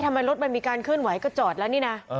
ทำไมรถมันมีการขึ้นไหวก็จอดแล้วนี่น่ะเออ